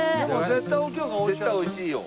絶対おいしいよ。